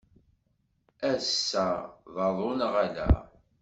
Ass-a d aḍu neɣ ala?